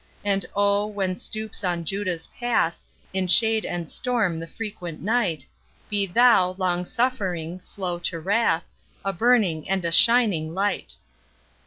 And oh, when stoops on Judah's path In shade and storm the frequent night, Be THOU, long suffering, slow to wrath, A burning, and a shining light!